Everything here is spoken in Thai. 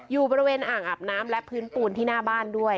อยู่บริเวณอ่างอาบน้ำและพื้นปูนที่หน้าบ้านด้วย